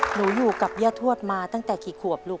หนูอยู่กับย่าทวดมาตั้งแต่กี่ขวบลูก